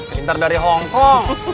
pinter dari hongkong